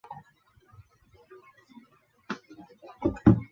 她也是大韩民国建国以来的第一位女性总理。